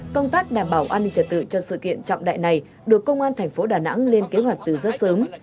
công tác đảm bảo an ninh trật tự cho sự kiện trọng đại này được công an thành phố đà nẵng lên kế hoạch từ rất sớm